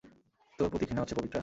তোর প্রতি ঘৃণ্ণা হচ্ছে, পবিত্রা।